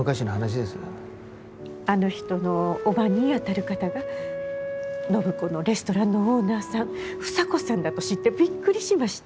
あの人の叔母にあたる方が暢子のレストランのオーナーさん房子さんだと知ってびっくりしました。